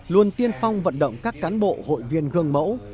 luôn tiên phong vận động các cán bộ hội viên gương mẫu